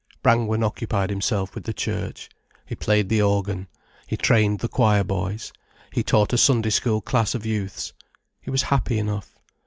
Brangwen occupied himself with the church, he played the organ, he trained the choir boys, he taught a Sunday school class of youths. He was happy enough.